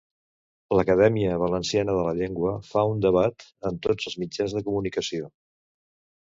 L'Acadèmia Valenciana de la Llengua fa un debat en tots els mitjans de comunicació.